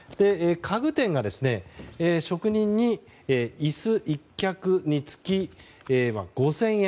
家具店が、職人に椅子１脚につき５０００円。